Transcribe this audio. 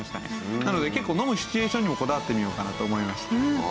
なので結構飲むシチュエーションにもこだわってみようかなと思いました。